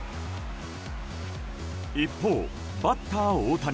一方、バッター大谷。